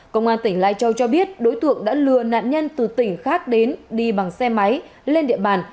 công an tỉnh lai châu cho biết đối tượng đã lừa nạn nhân từ tỉnh khác đến đi bằng xe máy lên địa bàn